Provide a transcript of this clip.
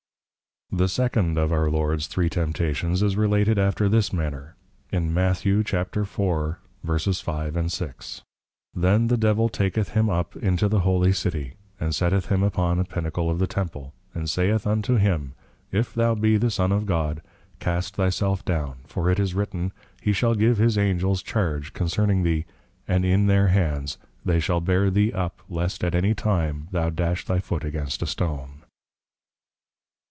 §. The Second of our Lords Three Temptations, is related after this manner, in Mat. 4.5, 6. _Then the Devil taketh him up, into the Holy City, and setteth him upon a Pinacle of the Temple; and saith unto him, if thou be the Son of God, cast thy self down; for it is written, He shall give his Angels charge concerning thee, and in their Hands, they shall bear thee up, lest at any time thou dash thy Foot against a Stone.